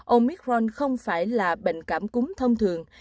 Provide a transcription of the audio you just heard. omicron không phải là bệnh cảm cúng thông thường